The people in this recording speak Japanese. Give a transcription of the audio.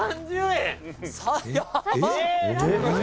「３０円！？」